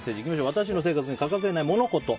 私の生活に欠かせないモノ・コト。